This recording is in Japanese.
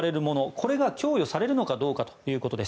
これが供与されるのかどうかということです。